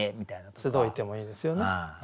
「つどひて」もいいですよね。